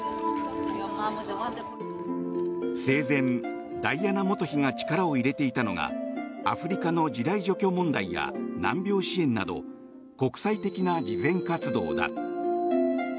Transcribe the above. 生前、ダイアナ元妃が力を入れていたのがアフリカの地雷除去問題や難病支援など国際的な慈善活動だ。